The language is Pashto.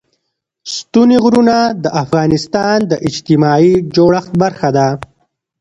ستوني غرونه د افغانستان د اجتماعي جوړښت برخه ده.